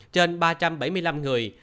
trên ba trăm bảy mươi năm người